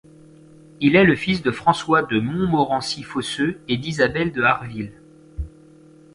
Il est le fils de François de Montmorency-Fosseux et d'Isabelle de Harville.